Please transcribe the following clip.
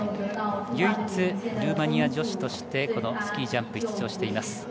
唯一、ルーマニア女子としてこのスキー・ジャンプに出場しています。